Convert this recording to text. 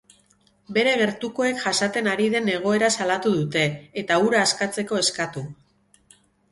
Bere gertukoek jasaten ari den egoera salatu dute eta hura askatzeko eskatu.